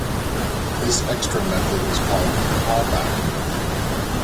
This extra method is called CallBack Method.